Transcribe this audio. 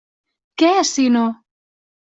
Què, si no?